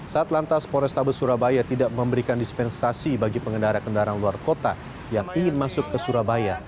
saat lantas polrestabes surabaya tidak memberikan dispensasi bagi pengendara kendaraan luar kota yang ingin masuk ke surabaya